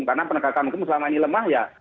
karena penegakan hukum selama ini lemah ya